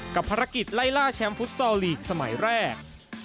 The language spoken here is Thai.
กับภารกิจไล่ล่าแชมป์ฟุตซอลลีกสมัยแรก